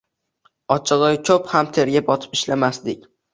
Ochig‘i, ko‘p ham terga botib ishlamasdik.